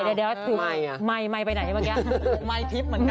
เดี๋ยวใม่ไปไหนมาเยี๊ยะ